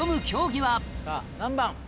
何番？